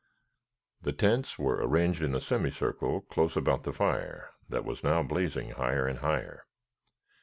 The tents were arranged in a semicircle close about the fire that was now blazing higher and higher.